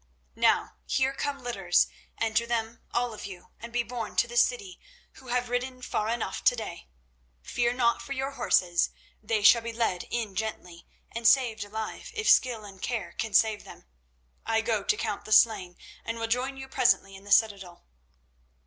Now here come litters; enter them, all of you, and be borne to the city, who have ridden far enough to day. Fear not for your horses; they shall be led in gently and saved alive, if skill and care can save them. I go to count the slain, and will join you presently in the citadel."